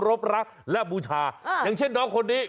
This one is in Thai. บรักและบูชาอย่างเช่นน้องคนนี้